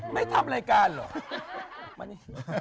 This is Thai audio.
ไม่ทำรายการเหรอ